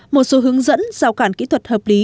một số hướng dẫn giao cản kỹ thuật hợp lý